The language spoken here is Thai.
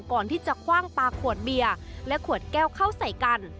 ก่อนที่จะคว่างปลาขวดเบียร์และขวดแก้วเข้าใส่กัน